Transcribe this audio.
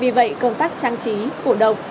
vì vậy công tác trang trí cổ động